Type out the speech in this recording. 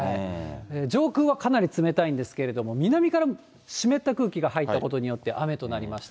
上空はかなり冷たいんですけれども、南から湿った空気が入ったことによって雨となりました。